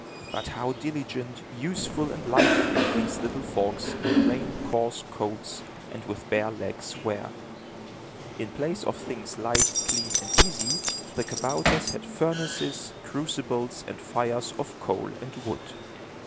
But how diligent, useful and lively these little folks, in plain, coarse coats and with bare legs, were! In place of things light, clean and easy, the kabouters had furnaces, crucibles and fires of coal and wood.